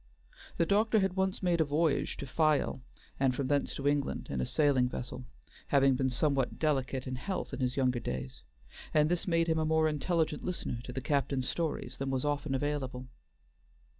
The doctor had once made a voyage to Fayal and from thence to England in a sailing vessel, having been somewhat delicate in health in his younger days, and this made him a more intelligent listener to the captain's stories than was often available.